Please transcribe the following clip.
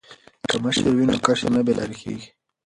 که مشر وي نو کشر نه بې لارې کیږي.